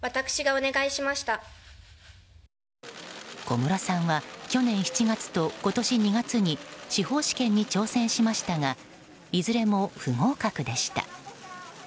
小室さんは去年７月と今年２月に司法試験に挑戦しましたがいずれも不合格でした。